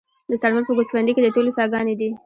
د سرپل په ګوسفندي کې د تیلو څاګانې دي.